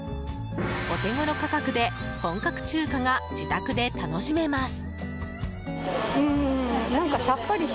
お手頃価格で本格中華が自宅で楽しめます。